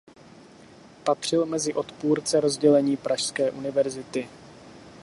Patřil mezi odpůrce rozdělení pražské univerzity.